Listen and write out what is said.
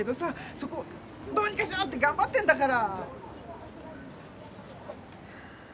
そこをどうにかしようってがんばってんだから！